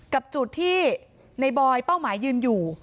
กับจุดที่ในบอยเป้าหมายยืนอยู่